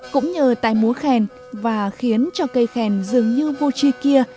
cũng nhờ tài múa khen và khiến cho cây khen dường như vô chi kia